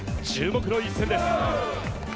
注目の一戦です。